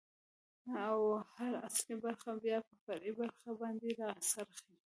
، او هر اصلي برخه بيا په فرعي برخو باندې را څرخي.